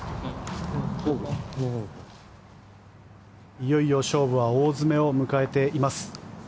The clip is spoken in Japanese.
いよいよ勝負は大詰めを迎えています。